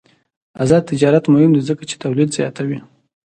آزاد تجارت مهم دی ځکه چې تولید زیاتوي.